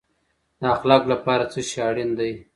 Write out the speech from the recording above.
د اخلاقو لپاره څه شی اړین دی؟